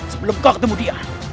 sebelum kau ketemu dia